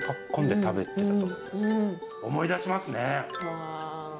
思い出しますね。